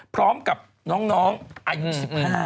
พร้อมกับน้องอายุ๑๕